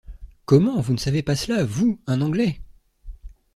Comment! vous ne savez pas cela, vous, un Anglais !